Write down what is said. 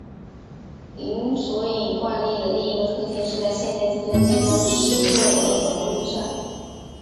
零索引惯例的另一个特性是在现代计算机中实作的模运算。